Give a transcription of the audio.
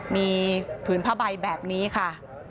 มีผืนผ้าใบแบบนี้ค่ะ